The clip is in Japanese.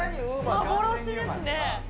幻ですね。